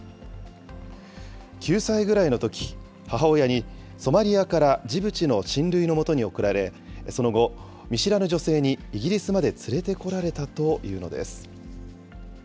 ９歳ぐらいのとき、母親に、ソマリアからジブチの親類のもとに送られ、その後、見知らぬ女性にイギリスまで連れてこられたというのです。